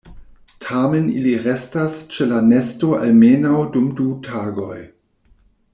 Tamen ili restas ĉe la nesto almenaŭ dum du tagoj.